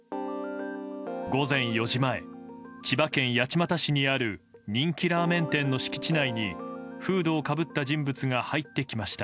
午前４時前、千葉県八街市にある人気ラーメン店の敷地内にフードをかぶった人物が入ってきました。